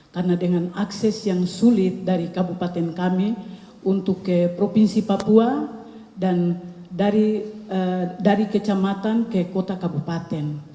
karena dengan akses yang sulit dari kabupaten kami untuk ke provinsi papua dan dari kecamatan ke kota kabupaten